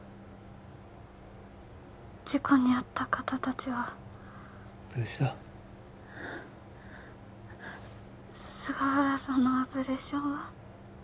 事故に遭った方達は無事だ菅原さんのアブレーションは？